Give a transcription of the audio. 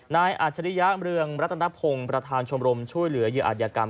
นายอัจฉริยะเรืองรัฐนพงษ์ประธานชมรมช่วยเหลือเยอะอัดยากรรม